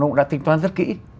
nó cũng đã tính toán rất kỹ